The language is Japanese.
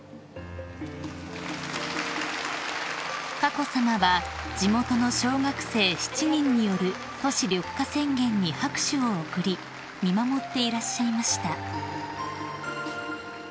［佳子さまは地元の小学生７人による都市緑化宣言に拍手を送り見守っていらっしゃいました］